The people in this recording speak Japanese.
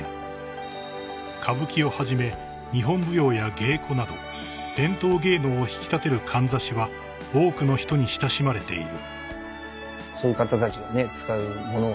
［歌舞伎をはじめ日本舞踊や芸妓など伝統芸能を引き立てるかんざしは多くの人に親しまれている］